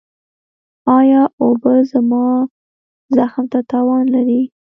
ایا اوبه زما زخم ته تاوان لري؟